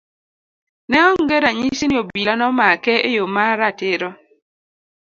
Ne onge ranyisi ni obila nomake e yo ma ratiro.